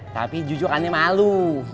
tapi jujur aneh malu